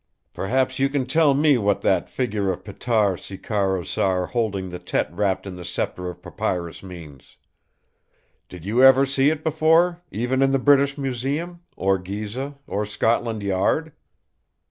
Perhaps you can tell me what that figure of Ptah Seker Ausar holding the Tet wrapped in the Sceptre of Papyrus means? Did you ever see it before; even in the British Museum, or Gizeh, or Scotland Yard?"